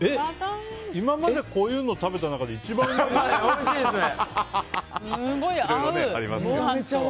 今までこういうのを食べた中で一番うまい。